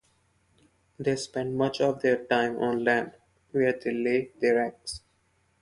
They spend much of their time on land, where they lay their eggs.